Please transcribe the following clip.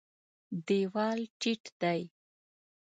دېوال ټیټ دی.